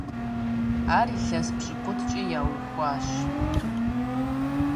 Ар илъэс пщыкӏутӏкӀэ яухуащ.